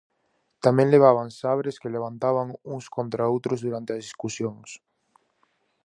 Tamén levaban sabres que levantaban uns contra outros durante as discusións.